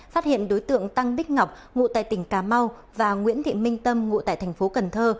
phát hiện đối tượng tăng bích ngọc ngụ tại tỉnh cà mau và nguyễn thị minh tâm ngụ tại tp cnh